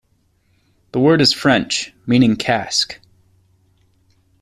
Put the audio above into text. The word is French, meaning 'cask'.